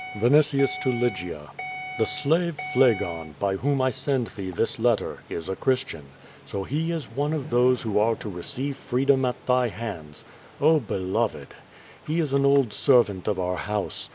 Vinitius to Lygia: The slave Phlegon, by whom I send thee this letter, is a Christian. So he is one of those who are to receive freedom at thy hands. Oh, Beloved! He is an old ser^'ant of our house.